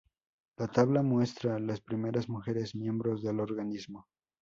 La tabla muestra las primeras mujeres miembros del organismo.